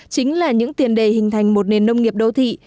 chính là những tiền đề hình thành một nền nông nghiệp đô thị